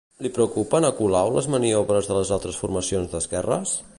Li preocupen a Colau les maniobres de les altres formacions d'esquerres?